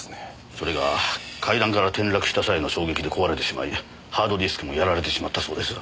それが階段から転落した際の衝撃で壊れてしまいハードディスクもやられてしまったそうです。